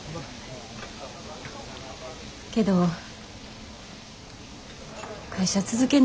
けど会社続けんね